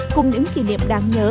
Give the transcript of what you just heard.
cùng những kỷ niệm đáng nhớ